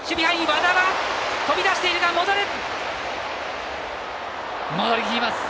和田は飛び出しているが戻る。